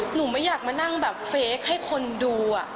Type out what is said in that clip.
หนูไม่อยากมานั่งแบบเฟคให้คนดู